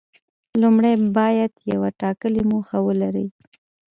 لومړی باید یوه ټاکلې موخه ولري.